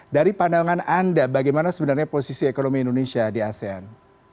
dari pandangan anda bagaimana sebenarnya posisi ekonomi indonesia di asean